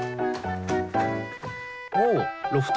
おおロフト。